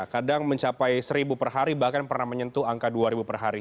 kadang mencapai seribu perhari bahkan pernah menyentuh angka dua ribu perhari